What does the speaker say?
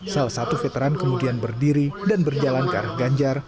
salah satu veteran kemudian berdiri dan berjalan ke arah ganjar